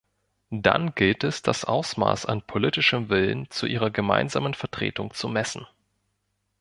Dann gilt es, das Ausmaß an politischem Willen zu ihrer gemeinsamen Vertretung zu messen.